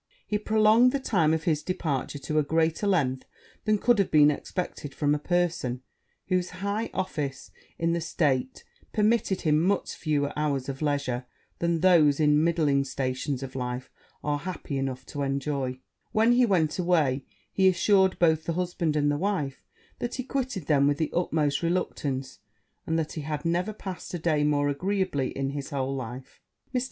He prolonged the time of his departure to a greater length than could have been expected from a person whose high office in the state permitted him much fewer hours of leisure than those in middling stations of life are happy enough to enjoy: when he went away, he assured both the husband and the wife that he quitted them with the utmost reluctance, and that he had never passed a day more agreeably in his whole life. Mr.